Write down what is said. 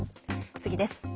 次です。